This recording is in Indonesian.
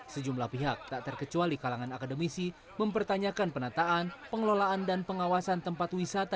sejumlah pihak tak terkecuali kalangan akademisi mempertanyakan penataan pengelolaan dan pengawasan tempat wisata